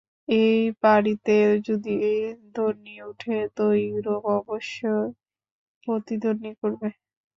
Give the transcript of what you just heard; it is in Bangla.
এই পারিতে যদি ধ্বনি ওঠে তো ইউরোপ অবশ্যই প্রতিধ্বনি করবে।